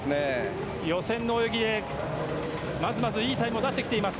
予選の泳ぎでまずまずいいタイムを出してきています。